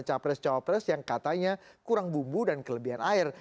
capres capres yang katanya kurang bumbu dan kelebihan air